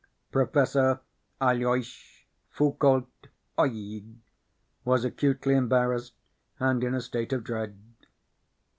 Professor Aloys Foulcault Oeg was acutely embarrassed and in a state of dread.